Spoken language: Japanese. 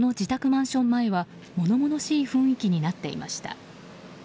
マンション前は物々しい雰囲気になっていました。